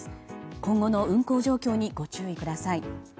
今後の運航状況にご注意ください。